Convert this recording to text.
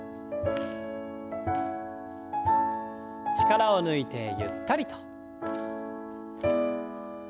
力を抜いてゆったりと。